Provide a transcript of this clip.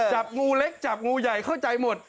จับงูเล็กจับงูใหญ่เข้าใจหมด